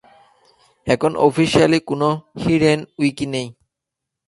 এখন অফিসিয়ালি কোন hidden wiki নেই।